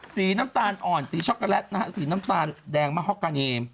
สีน้ำตาลอ่อนสีช็อกโกแลตนะฮะสีน้ำตาลแดงมะฮอกกาเนม